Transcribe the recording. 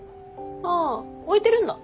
ああ置いてるんだ。